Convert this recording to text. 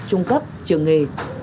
trung cấp trường nghề